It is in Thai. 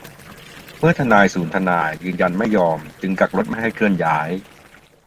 เมื่อทนายศูนย์ทนายยืนยันไม่ยอม จึงกักรถไม่ให้เคลื่อนย้าย